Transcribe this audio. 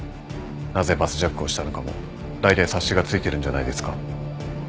なぜバスジャックをしたのかもだいたい察しがついてるんじゃないですか？